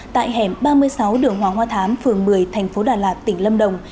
tại hẻm ba mươi sáu đường hoàng hoa thám phường một mươi thành phố đà lạt tỉnh lâm đồng